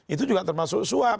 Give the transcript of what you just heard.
itu juga termasuk suap